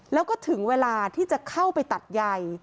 แล้วก็ถึงเวลาที่จะเข้าไปตัดใย